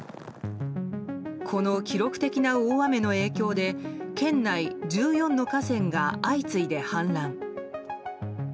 この記録的な大雨の影響で県内１４の河川が相次いで氾濫。